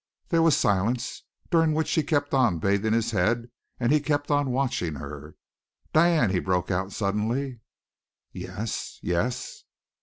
There was a silence, during which she kept on bathing his head, and he kept on watching her. "Diane!" he broke out suddenly. "Yes yes."